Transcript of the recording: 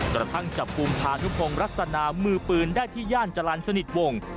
กระทั่งจับกลุ่มพานุพงศ์ลักษณะมือปืนได้ที่ย่านจรรย์สนิทวง